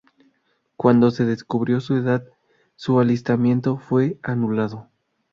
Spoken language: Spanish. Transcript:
Cuando se descubrió su edad su alistamiento fue anulado.